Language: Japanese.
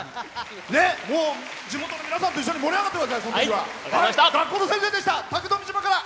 地元の皆さんと盛り上がってください。